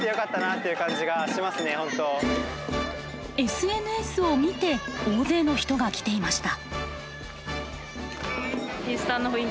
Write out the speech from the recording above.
ＳＮＳを見て大勢の人が来ていました。